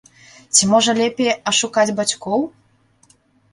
Ці, можа, лепей ашукаць бацькоў?